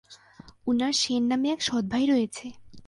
উনার শেন নামে এক সৎ ভাই রয়েছে।